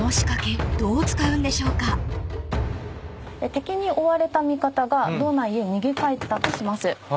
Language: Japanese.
敵に追われた味方が堂内へ逃げ帰ったとします。